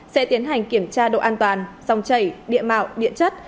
sẽ tiến hành kiểm tra độ an toàn dòng chảy địa mạo điện chất